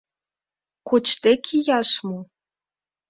— Кочде кияш мо?